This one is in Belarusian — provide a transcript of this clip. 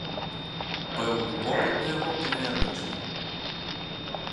Пэўны попыт на яго перыядычны.